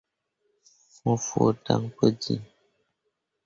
Mo fõo dan pu jiŋ.